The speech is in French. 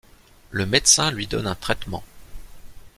Le médecin lui donne un traitement.